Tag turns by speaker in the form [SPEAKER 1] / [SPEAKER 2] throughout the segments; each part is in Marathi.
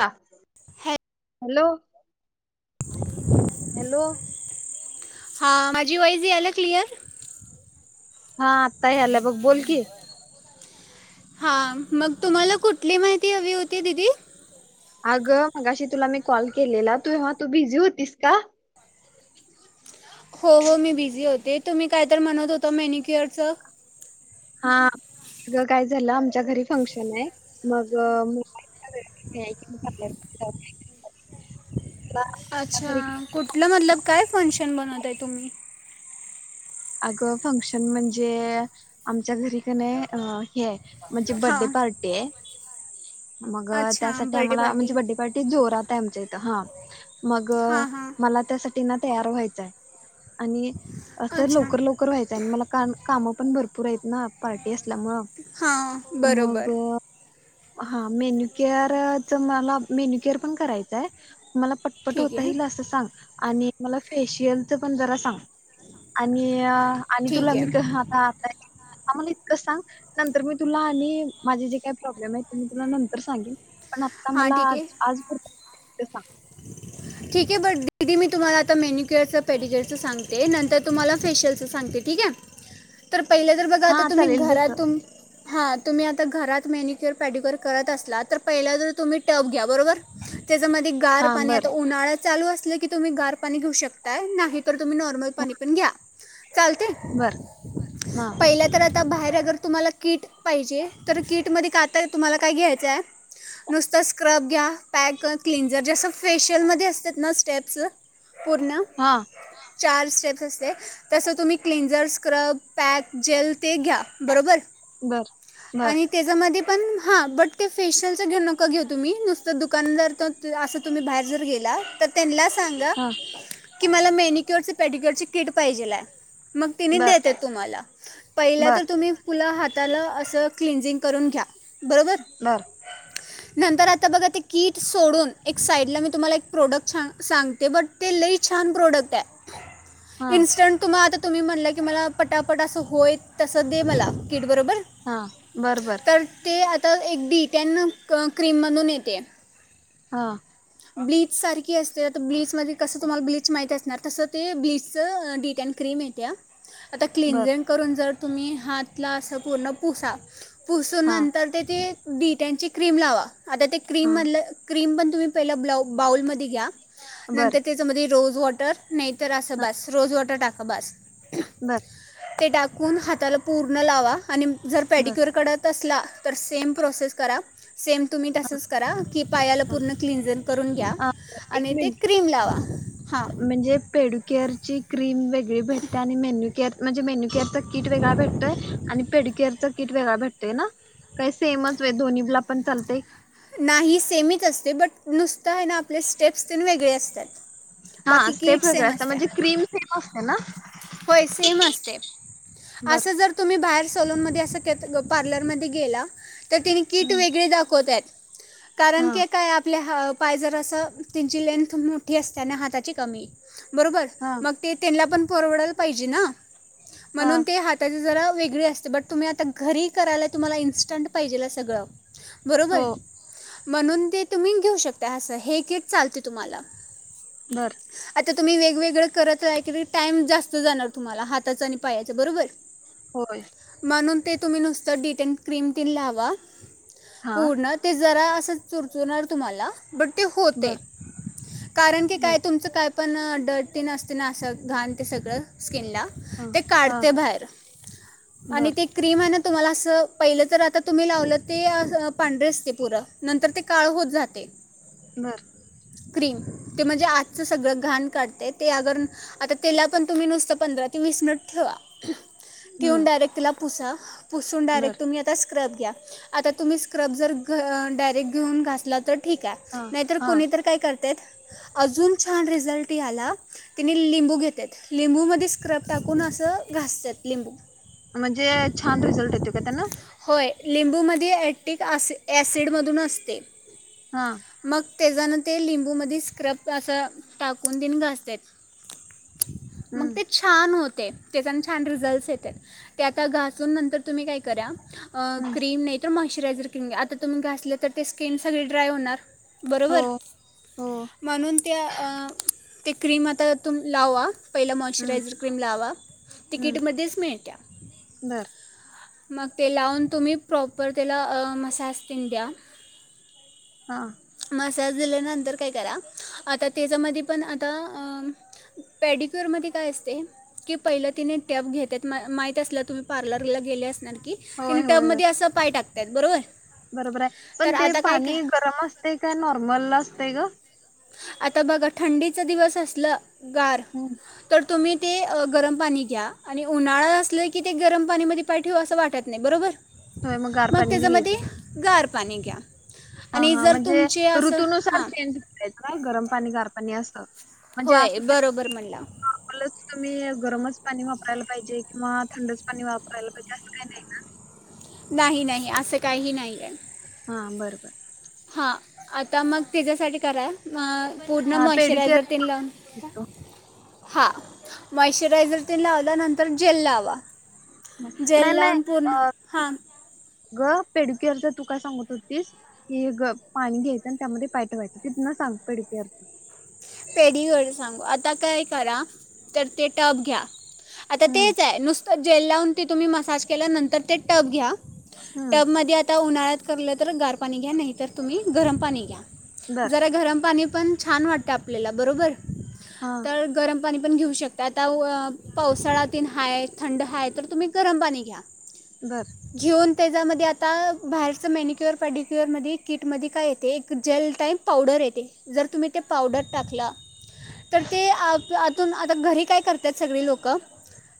[SPEAKER 1] ह
[SPEAKER 2] ह
[SPEAKER 1] हॅलो
[SPEAKER 2] [unintelligible]
[SPEAKER 1] हॅलो
[SPEAKER 2] हा माझी वाईस आला क्लिअर
[SPEAKER 1] हा आताही आलं बघ बोल की
[SPEAKER 2] हा मग तुम्हाला कुठली माहिती हवी होती दिदी
[SPEAKER 1] अगं मगाशी तुला मी कॉल केलेला तूव्हा तू बिझी होतीस का
[SPEAKER 2] हो हो मी बिझी होते तुम्ही काय तर म्हणत होता मेनिक्युअर च
[SPEAKER 1] हा काय झालं आमच्या घरी फंक्शन आहे मग झा हो
[SPEAKER 2] अच्छा कुठलं मतलब काय फंक्शन बनवत आहे तुम्ही
[SPEAKER 1] अगं फंक्शन म्हणजे आमच्या घरी क नाही हे म्हणजे बर्थडे
[SPEAKER 2] हां
[SPEAKER 1] पार्टी आहे मग
[SPEAKER 2] अच्छा
[SPEAKER 1] त्यासाठी
[SPEAKER 2] बर्थडे
[SPEAKER 1] आम्हाला
[SPEAKER 2] पार्टी
[SPEAKER 1] म्हणजे बड्डे पार्टी जोरात आहे आमच्या इथं हा मग
[SPEAKER 2] हां हां
[SPEAKER 1] मला त्यासाठी ना तयार व्हायचय आणि तरर
[SPEAKER 2] अच्छा
[SPEAKER 1] लवकर लवकर व्हायचं आणि मला कामं पण भरपूर आहेत ना पार्टी अस म
[SPEAKER 2] हां बरोबर
[SPEAKER 1] मग हा मेन्यूकअर च मला मेन्यू केअर पण करायचंय मला पटपट
[SPEAKER 2] ठीक
[SPEAKER 1] होत
[SPEAKER 2] आहे
[SPEAKER 1] आहेल असं सांग आणि मला फेशियलच पण जरा सांग आणि आणि
[SPEAKER 2] ठीक
[SPEAKER 1] तुला
[SPEAKER 2] आहे
[SPEAKER 1] मी क आता आताय आ मला इतकं सांग नंतर मी तुला आणि माझे जे काय प्रॉब्लेम आहेत मी तुला नंतर सांगेन पण आता
[SPEAKER 2] हां
[SPEAKER 1] मला
[SPEAKER 2] ठीक आहे
[SPEAKER 1] आज ते सांग
[SPEAKER 2] ठीक आहे बट दिदी मी तुम्हाला आता मेन्यक्यअरं पेडिक्यअरं सांगते नंतर तुम्हाला फेशियलचं सांगते ठीक आहे तर पहिलं जर बघा आता
[SPEAKER 1] हा
[SPEAKER 2] तुम्ही
[SPEAKER 1] चालेल जस
[SPEAKER 2] घरातून हा तुम्ही आता घरात मेनिक्युअर पॅडिक्युअर करत असला तर पहिला ज तुम्ही टब घ्या बरोबर त्याच्यामध्ये गार
[SPEAKER 1] हा
[SPEAKER 2] पाणी
[SPEAKER 1] बर
[SPEAKER 2] ल अस की तुम्ही गार पा घेऊ शकता नाही तर तुम् नॉर्मल पा पण घ्या चालते
[SPEAKER 1] बर हा
[SPEAKER 2] पहिलं तर आ आता बाहेर अगर तुम्हाला किट पाहिजे तर किट मध्ये काता तुम्हाला काय घ्यायचंय नुसतं स्क्रब घ्या पॅक क्लिनझर जसं फेशियलमध्ये असतात ना स्टेप्स पूर्ण
[SPEAKER 1] हा
[SPEAKER 2] चार स्टेप्स असते तसं तुम्ही क्लेंझर स्क्रब पॅक जेल ते घ्या बरोबर
[SPEAKER 1] बर बर
[SPEAKER 2] आणि त्याच्यामध्ये पण हा बट ते फेशियलच घेऊ नको घेऊ तुम्ही नुसतं दुकानदार तर तुम्ही बाहेर जर गेला तर त्यां सांगा
[SPEAKER 1] हा
[SPEAKER 2] की मला मेणुकर पेडुकर किट पाहिजेला मग तिने
[SPEAKER 1] बर
[SPEAKER 2] देतेत तुम्हाला पहिला
[SPEAKER 1] बर
[SPEAKER 2] तर तुम्ही फुलं हाताला अस क्लीन्सिंग करून घ्या बरोर
[SPEAKER 1] बर
[SPEAKER 2] नंतर आता बघा ते कीट सोडून एक साईडला मी तुम्हाला एक प्रोडक्ट ां सांगते बट ते लई छान प्रोडक्ट
[SPEAKER 1] हा
[SPEAKER 2] आहे इन्स्टंट तुम्हाला आता तुम्ही म्हणलं की मला पटापट असं होयत तस दे मला किट बरोबर
[SPEAKER 1] बरं बरं
[SPEAKER 2] तर ते आता एक डी टॅन क्रीम म्हणून येते
[SPEAKER 1] हा
[SPEAKER 2] ब्लीच सारखी अस ते आता ब्लीच मध्ये कसं तुम्हाला ब्लीच माहती असणार तसं ते ब्लीच डिटॅन क्रीम येत्या आता
[SPEAKER 1] बर
[SPEAKER 2] क्लनजिंग करून जर तुम्ही हातला असं पूर्ण पुसा पुसून
[SPEAKER 1] हा
[SPEAKER 2] नंतर ते ते बीटची क्रीम लावा आता ते
[SPEAKER 1] हा
[SPEAKER 2] क्रीम म्हधलं क्रीम पण पहिला बाऊलमध्ये घ्या
[SPEAKER 1] बर
[SPEAKER 2] नंतर त्याच्यामध्ये रोज वॉटर नाही तर असं
[SPEAKER 1] हा
[SPEAKER 2] बास रोज वॉटर टाका बास
[SPEAKER 1] बर
[SPEAKER 2] चिकून हाताला पूर्ण लावा आणि जर
[SPEAKER 1] बर
[SPEAKER 2] पेडिक्युअर कढत असला तर सेम प्रोसेस करा सेम तुम्ही तसच करा की पायाला पूर्ण क्लनजन करून घ्या
[SPEAKER 1] हा एक
[SPEAKER 2] आणि ते क्रीम लावा हां
[SPEAKER 1] मिनट म्हणजे पेडुकेअर क्रीम वेगळी भेटते आणि मेन्यू केअर म्हणजे मेन्यू केअरचा कट वेगळा भेटतय आणि पेडअर किट वेगळा भेटते ना काही सेमच दोन्हीला पण चालतंय
[SPEAKER 2] नाही सेमीच असते बट नुसतं आहे ना आपले स्टेप्स ते वेगळे असतात
[SPEAKER 1] हा
[SPEAKER 2] बाकी
[SPEAKER 1] स्टेप
[SPEAKER 2] किट
[SPEAKER 1] वेगळ्या
[SPEAKER 2] सेम
[SPEAKER 1] असत
[SPEAKER 2] असते
[SPEAKER 1] म्हणजे क्रीम सेम असते ना
[SPEAKER 2] होय सेम असतय
[SPEAKER 1] बर
[SPEAKER 2] अस जर तुम्ही बा सलून मधे अस पार्लर मधे गेला तर तिने किट वेगळे दाखवतात कारण
[SPEAKER 1] हा
[SPEAKER 2] की काय आपल्या ह पाय जर अस त्यांची लेंथ मोठी असतेना हाताची कमी बरोबर
[SPEAKER 1] हा
[SPEAKER 2] मग ते त्यांना पण परवडलं पाहिजे ना
[SPEAKER 1] हा
[SPEAKER 2] म्हणून ते हाताचे जरा वेगळी असते बट तुम्ही आता घरी करायला तुम्हाला इन्स्टंट पाहिजे सगळं बरोबर
[SPEAKER 1] हो
[SPEAKER 2] म्हणून ते तुम्ही घेऊ शकता हं हे किट चालते तुम्हाला
[SPEAKER 1] बर
[SPEAKER 2] आता तुम्ही वेगवेगळं करत रा कीरी टाइम जास्त जाणार तुम्हाला हाताचं आणि पायाचं बरोबर
[SPEAKER 1] होय
[SPEAKER 2] म्हणून ते तुम्ही डी टॅन क्रीम ते लावा
[SPEAKER 1] हा
[SPEAKER 2] पूर्ण ज ते अस चुरचुरनार तुम्हाला
[SPEAKER 1] बर
[SPEAKER 2] कारण की
[SPEAKER 1] बर
[SPEAKER 2] काय तुमचं काय पण डर्टी नसते ना ते असं घाण ते सगळं ते
[SPEAKER 1] हा
[SPEAKER 2] न
[SPEAKER 1] हा
[SPEAKER 2] काढते बाहेर आणि
[SPEAKER 1] बर
[SPEAKER 2] ते क्रीम आहे ना तुम्हाला अस पहिलं तर आता तुम्ही लावलं ते पांढरे असते पुर नंतर ते काळ होत जाते
[SPEAKER 1] बर
[SPEAKER 2] क्रीम ते म्हणजे आजच सगळं घाण काढते ते अगर आता त्याला पण तुम्ही नुसतं पंधरा ते वीस मिनिट ठेवा ठेवून
[SPEAKER 1] हम्म
[SPEAKER 2] डायरेक्ट तिला पुसा पुसून
[SPEAKER 1] बर
[SPEAKER 2] डायरेक्ट तुम्ही आता स्क्रब घ्या आता तुम्ही स्क्रब जर घ डायेक्ट घेऊन घातला ठीक
[SPEAKER 1] हा
[SPEAKER 2] आहे नाहीतर
[SPEAKER 1] हा
[SPEAKER 2] कुणी तर काय करते अजून छान रिझल्ट याला तिने लिंबू घेतेत लिंबूमध्ये स्क्रब टाकून असं घासतात लिंबू.
[SPEAKER 1] म्हणजे छान रिझल्ट येतो का त्यांना.
[SPEAKER 2] होय लिंबूमध्ये ऍक्टिक ऍसिड मधून असते.
[SPEAKER 1] हा.
[SPEAKER 2] तेजानं ते लिंबूमध्येध स्क्रब असा टाकून तन घासत. मग
[SPEAKER 1] हम्म
[SPEAKER 2] ते छान होत. ते त्याच्यान छान रिझल्टस येतात ते आता घासून नंतर तुम्ही काय करा.
[SPEAKER 1] हम्म
[SPEAKER 2] क्रीम नाही तर मॉशचरायझर क आता तुम्ही घासलं तर ते स्किन सगळी ड्राय होणार.
[SPEAKER 1] हो
[SPEAKER 2] बरोबर
[SPEAKER 1] हो
[SPEAKER 2] म्हणून त्या ते क्रीम आता त्यातून लावा. पहिला
[SPEAKER 1] हम्म
[SPEAKER 2] मॉशचरायझर क्रीम लावा ते
[SPEAKER 1] हम्म
[SPEAKER 2] कीटमध्येच मिळत्या.
[SPEAKER 1] बर
[SPEAKER 2] मग ते लावून तुम्ही प्रॉपर त्याला मसाज तन द्या.
[SPEAKER 1] हा.
[SPEAKER 2] मसाज दिल्यानंतर काय करा आता त्याच्यामध्ये पण आता पॅडिक्युअरमध्ये काय असते की पहिलं तिने टॅब घेत आहेत म माहीत असलं तुम्ही पार्लरला गेले असणार. तने
[SPEAKER 1] होय
[SPEAKER 2] टब
[SPEAKER 1] होय होय
[SPEAKER 2] मध्ये असं पाय टाकतयात बरोबर.
[SPEAKER 1] बरोबर आहे पण
[SPEAKER 2] तर
[SPEAKER 1] ते
[SPEAKER 2] आता काय कर
[SPEAKER 1] पाणी गरम असत का नॉर्मल असतय ग?
[SPEAKER 2] आता बघा थंडीचा दिवस असलं गार
[SPEAKER 1] हम्म
[SPEAKER 2] तर तुम्ही ते गरम पाणी घ्या आणि उन्हाळा असला की ते गरम पाणीमध्ये पाय ठेव असं वाटत नाही बरोबर
[SPEAKER 1] होय गार
[SPEAKER 2] मग
[SPEAKER 1] पाणी
[SPEAKER 2] त्याच्यामध्ये
[SPEAKER 1] घ्यायचं
[SPEAKER 2] गार पाणी घ्या.
[SPEAKER 1] हा
[SPEAKER 2] आणि
[SPEAKER 1] हा
[SPEAKER 2] जर
[SPEAKER 1] म्हणजे
[SPEAKER 2] तुमचे असं
[SPEAKER 1] ऋतूनुसार
[SPEAKER 2] हां
[SPEAKER 1] चेंज करायचं का गरम पाणी कार पाणी असं. म्हणजे
[SPEAKER 2] होय
[SPEAKER 1] असं
[SPEAKER 2] बरोबर
[SPEAKER 1] काय
[SPEAKER 2] म्हणला
[SPEAKER 1] नॉर्मलच गरमच पाणी वापरायला पाहिजे किंवा थंडच पाणी वापरायला पाहिजे असं काही नाही ना.
[SPEAKER 2] नाही नाही असं काहीही नाही आहे.
[SPEAKER 1] हा बरोबर
[SPEAKER 2] हा आता मग त्याच्यासाठी करा म पूर्ण
[SPEAKER 1] हा पेडिक्युअर
[SPEAKER 2] मॉइश्चरायझर लाऊन
[SPEAKER 1] दिसतो
[SPEAKER 2] हा मॉइशचरायझर तेन लावल्यानंतर जेल लावा जेल
[SPEAKER 1] नाही नाही
[SPEAKER 2] लावून
[SPEAKER 1] अ
[SPEAKER 2] पूर्ण हां
[SPEAKER 1] ग पेड केअर च तू काय सांग होतीस पाणी घ्यायचं आणि त्यामध्ये पाय ठेवायचा तिथून सांग पर
[SPEAKER 2] पेढवर सांगू आता काय करा तर ते टप घ्या. आता
[SPEAKER 1] हम्म
[SPEAKER 2] तेच आहे नुसतं जेल लावून ते तुम्ही मसाज केलं नंतर ते टप घ्या
[SPEAKER 1] हम्म
[SPEAKER 2] टबमध्येध्ये आता उन्हाळ्यात करलं तर गार. गार पाणी घ्या नाहीतर तुम्ही गरम पाणी घ्या.
[SPEAKER 1] बर
[SPEAKER 2] जरा गरम पाणी पण छान वाटतं. ले बरोबर
[SPEAKER 1] हा
[SPEAKER 2] तर गरम पा पण घेऊ शकता आता पावसाळा्या तन हाय थंड हाय तर तुम्ही गरम पाणी घ्या.
[SPEAKER 1] बर
[SPEAKER 2] घेऊन त्याच्यामध्ये आता बाहेरच मेनिक्युअर पडिक्युअर मधी किटमध्ये काय येते एक जेल टाइम पावडर येते जर तुम्ही ते पावडर टाकला. तर ते आतून आता घरी काय करतात सगळी लोक.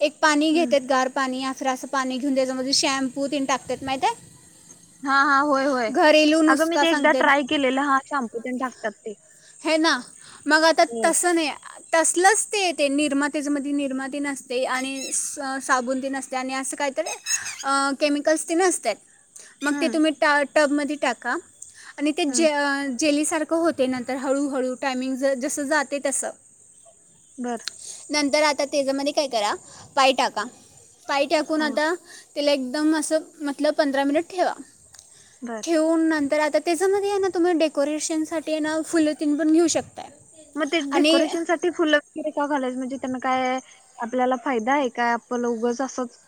[SPEAKER 2] एक पाणी
[SPEAKER 1] हम्म
[SPEAKER 2] घेतेत गार पाणी अेर असं पाणी घेऊन त्याच्यामध्ये शॅम्पू तेन टाकतात माहितये
[SPEAKER 1] हा हा होय होय. अगं मी
[SPEAKER 2] नुस्खा
[SPEAKER 1] ते एकदा
[SPEAKER 2] सांगतात
[SPEAKER 1] ट्राय केलेलं हा शॅम्पू पन टाकतात ते
[SPEAKER 2] हे ना मग आता
[SPEAKER 1] होय
[SPEAKER 2] तसं नाही आहे. तसलच ते ते निर्माते मध्ये निर्माती नसते आणि सागुती नसते आणि असं काहीतरी केमिकल्स तेन असतय मग ते
[SPEAKER 1] हम्म
[SPEAKER 2] तुम्ही टब मध्ये टाका आणि ते
[SPEAKER 1] हम्म
[SPEAKER 2] जेली सारख होतय तर हळूहळू टायमिंग जस जाते तस
[SPEAKER 1] बर
[SPEAKER 2] नंतर आता त्याच्यामध्ये काय करा पाय टाका पाय टाकून
[SPEAKER 1] हा
[SPEAKER 2] आता त्याला एकदम अस म्हटल पंधरा मिनिट ठेवा
[SPEAKER 1] बर
[SPEAKER 2] ठेवून नंतर आ तर त्याच्यामध्ये आहे ना तुम्ही डेकोरेशनसाठी ना फुलं तिन पण घेऊ शकता.
[SPEAKER 1] मग ते डेकोरेशन साठी फुल वगैर का घालाय म्हणजे? त्यांना काय आपल्याला फायदा आहे काय आप उघंच असच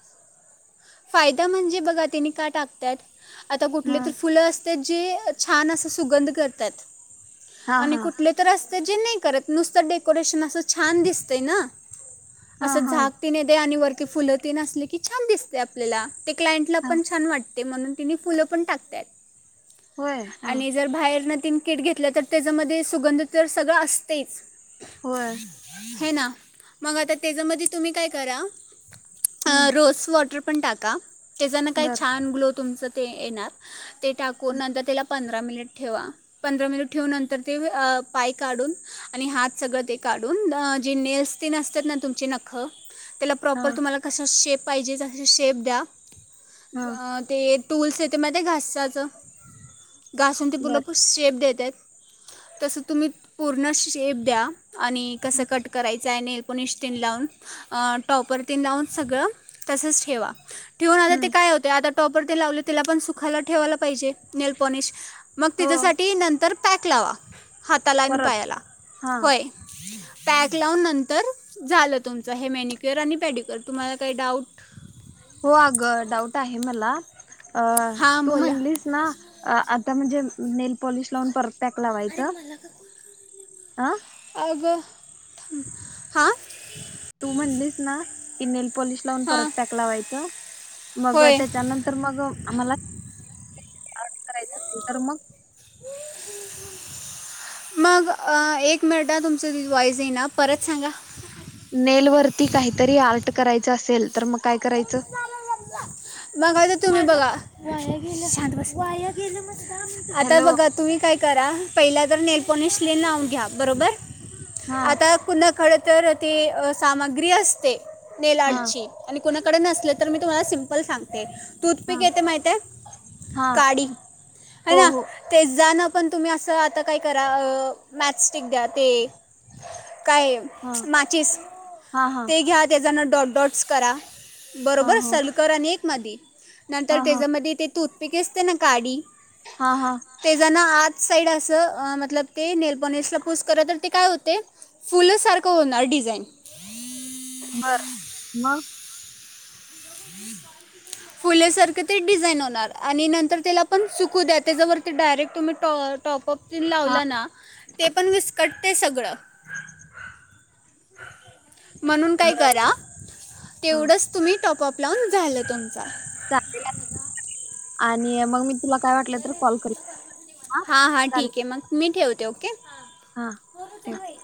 [SPEAKER 2] फायदा म्हणजे बघा तिने का टाकतात आ कुठले
[SPEAKER 1] हा
[SPEAKER 2] तर फुलं असत जे छान असं सुगंध करतात
[SPEAKER 1] हा
[SPEAKER 2] आणि
[SPEAKER 1] हा
[SPEAKER 2] कुठले तर अस तर जे नाही करत नुसतं डेकोरेशन असं छान दिसतंय ना
[SPEAKER 1] हा
[SPEAKER 2] असं
[SPEAKER 1] हा
[SPEAKER 2] झाक तने येतय आणि वरती फुलं ती न असली की छान दिसते आपल्याला ते क्लायंटला
[SPEAKER 1] हा
[SPEAKER 2] पण छान वाटते म्हणून तिने फुलं पण टाकतात
[SPEAKER 1] होय हा
[SPEAKER 2] आणि जर बाहेर न ती किट घेतलं तर त्याच्यामध्ये सुगंध तर सगळं असतेच
[SPEAKER 1] होय
[SPEAKER 2] हे ना मग आता त्याच्यामध्ये तुम्ही काय करा
[SPEAKER 1] हम्म
[SPEAKER 2] रोस वॉटर पण टाका त्या काय
[SPEAKER 1] बर
[SPEAKER 2] छान ग्लो तुमच ते येणार ते टाकून नंतर त्याला पंधरा मिनिट ठेवा पंधरा मिनिट ठेवून नंतर ते पाय काढून आणि हात सगळं ते का काढून जे नेल्स तेन असतात ना तुमचे नख त्याला
[SPEAKER 1] हा
[SPEAKER 2] प्रॉपर तुम्हाला कस शेप पाहिजे तस शेप द्या
[SPEAKER 1] हा
[SPEAKER 2] ते टूल्स येते मग ते घासाचं घासून ते
[SPEAKER 1] बर
[SPEAKER 2] पुरपूर शेप देत्यात. तस तुम्ही पूर्ण शेप द्या आणि कस कट करायचं [unintelligible] नेणपॉलिश लावून अ टॉप्पर तिन सगळं तस ठेवा ठेऊन आल्यावर ते
[SPEAKER 1] हम्म
[SPEAKER 2] काय होतय आता टॉप टॉप्पर लावलेलं तिला पण सुखायला ठेवायला पाहिजे ठेवा पाजे नेलपॉलिश मग
[SPEAKER 1] हो
[SPEAKER 2] तेज्यासाठी नंतर पॅक लावा हाताला आणि
[SPEAKER 1] परत
[SPEAKER 2] पायाला
[SPEAKER 1] हा
[SPEAKER 2] होय. पॅक लावून नंतर झालं तुमचं हे मेनिक्युअर आणि पेडिक्युअर तुम्हाला काही डाऊट
[SPEAKER 1] हो अग डाऊट आहे मला
[SPEAKER 2] हां
[SPEAKER 1] तू
[SPEAKER 2] बोला
[SPEAKER 1] म्हणलीस ना अ आता म्हणजे नेल पॉलिश लावून परत पॅक
[SPEAKER 2] अरे
[SPEAKER 1] लावायचं
[SPEAKER 2] मला का कॉल करून
[SPEAKER 1] अ
[SPEAKER 2] राहिलाय मग अग थांब हा
[SPEAKER 1] तू म्हणलीस ना की नेल पॉलिश लावून परत
[SPEAKER 2] हां
[SPEAKER 1] पॅक लावायचं मग
[SPEAKER 2] होय
[SPEAKER 1] त्याच्यानंतर मग आम्हाला [inaudible] करायच अस तर मग [unintelligible]
[SPEAKER 2] मग एक मिनिट हं तुमच वॉईस येई ना परत सांगा.
[SPEAKER 1] नेल वरती काहीतरी आर्ट करायचं असेल तर मग काय करायचं
[SPEAKER 2] [unintelligible] बघाय तर तुम्ही बघा वाया गेलं शांत बसआता
[SPEAKER 1] हॅलो
[SPEAKER 2] बघा तुम्ही काय करा पहिला तर नेलपॉलिश लावून घ्या बरोबर
[SPEAKER 1] हा
[SPEAKER 2] आता कु खरं तर ते सामग्री असते नेलआर्ट
[SPEAKER 1] हा
[SPEAKER 2] ची आणि नसल तर मी तुम्हाला सिंपल सांगते.
[SPEAKER 1] हा
[SPEAKER 2] तूथपिक येते माहिती ये
[SPEAKER 1] हा
[SPEAKER 2] काडी आहे
[SPEAKER 1] हो
[SPEAKER 2] ना
[SPEAKER 1] हो
[SPEAKER 2] ते जाण पण तुम्ही असं आता काय करा मॅथस्टिक दया ते काय
[SPEAKER 1] हा
[SPEAKER 2] मॅचिस
[SPEAKER 1] हा हा
[SPEAKER 2] ते घ्या त्याच्यानं डॉट डॉट्स करा.
[SPEAKER 1] हा
[SPEAKER 2] बरोबर
[SPEAKER 1] हा
[SPEAKER 2] सलकर आणि एक मध्ये नंतर
[SPEAKER 1] हा हा
[SPEAKER 2] त्याच्यामध्ये ते तूतपिक असते ना काडी
[SPEAKER 1] हा हा
[SPEAKER 2] ते ज ना आत साईड असं मतलब ते नेल पॉलिश ला पुश केलतर ते काय होते फुल सारख होणार डिप डीजाईन
[SPEAKER 1] बर मग
[SPEAKER 2] फुलेसारखं ते डिझाईन होणार आणि नंतर त्याला पण सुकू दया त्याच्यावरती डायरेक्ट तुम्ही टॉ टॉप पपतीन
[SPEAKER 1] हा
[SPEAKER 2] लावलं ना ते पण विस्कटते सगळं म्हणून काय
[SPEAKER 1] बर
[SPEAKER 2] करा
[SPEAKER 1] बर हा
[SPEAKER 2] तेवढच तुम्ही टॉपप लावून झालं तुमचा.
[SPEAKER 1] चालेल आणि मग मी तुला काय वाटलं तर कॉल करील
[SPEAKER 2] हा हा ठीक आहे मग मी ठेवते ओके
[SPEAKER 1] हा
[SPEAKER 2] फोन
[SPEAKER 1] ठेव
[SPEAKER 2] उचल बाई